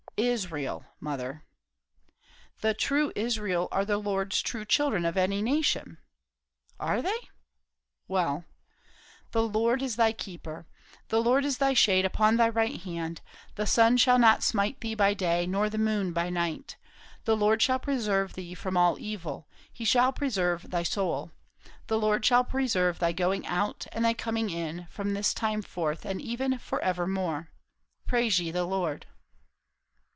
Israel, mother." "The true Israel are the Lord's true children, of any nation." "Are they? Well 'The Lord is thy keeper; the Lord is thy shade upon thy right hand; the sun shall not smite thee by day, nor the moon by night. The Lord shall preserve thee from all evil; he shall preserve thy soul. The Lord shall preserve thy going out and thy coming in, from this time forth, and even for evermore. Praise ye the Lord.'"